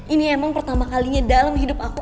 ini emang pertama kalinya dalam hidup aku